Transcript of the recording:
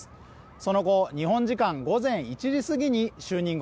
その後、日本時間午前１時すぎに就任後